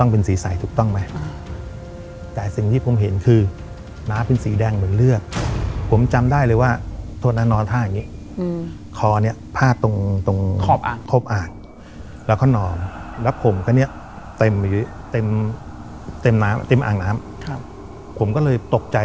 ผมก็เลยตกใจเรียกพันทั้ง๓คนมา